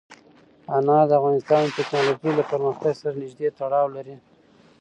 انار د افغانستان د تکنالوژۍ له پرمختګ سره نږدې تړاو لري.